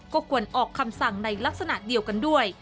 ก็ควรออกคำสั่งในลักษณะเดียวกันด้วย